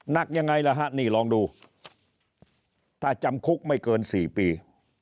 หนักยังไงล่ะฮะนี่ลองดูถ้าจำคุกไม่เกิน๔ปี